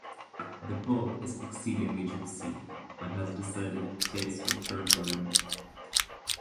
The pulp is exceedingly juicy, but has a decided taste of turpentine.